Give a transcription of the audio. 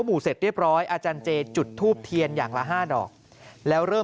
หมู่เสร็จเรียบร้อยอาจารย์เจจุดทูบเทียนอย่างละ๕ดอกแล้วเริ่ม